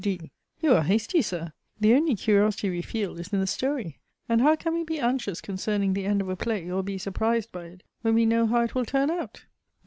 D. You are hasty, Sir! the only curiosity, we feel, is in the story: and how can we be anxious concerning the end of a play, or be surprised by it, when we know how it will turn out?